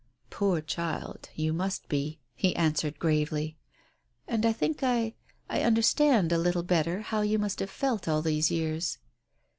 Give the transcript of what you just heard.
"Poor child, you must be," he answered gravely. "And I think I — I understand a little better how you must have felt all these years."